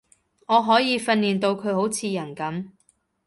我可以訓練到佢好似人噉